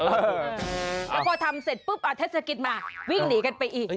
แล้วพอทำเสร็จปุ๊บเทศกิจมาวิ่งหนีกันไปอีก